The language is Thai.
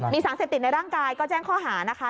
มีสารเสพติดในร่างกายก็แจ้งข้อหานะคะ